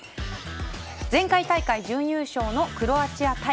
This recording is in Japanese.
前回大会準優勝のクロアチア対